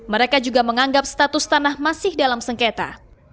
mereka juga menganggap status tanah masih dalam sengketa